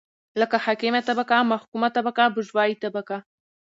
لکه حاکمه طبقه ،محکومه طبقه بوژوايي طبقه